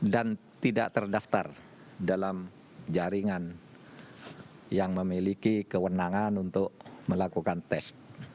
dan tidak terdaftar dalam jaringan yang memiliki kewenangan untuk melakukan tes